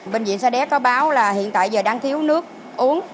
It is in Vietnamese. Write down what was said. bệnh viện sa đéc có báo là hiện tại giờ đang thiếu nước uống